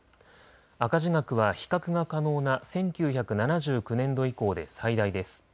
赤字額は比較が可能な１９７９年度以降で最大です。